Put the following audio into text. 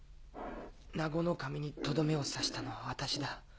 ナゴの守にとどめを刺したのは私だ。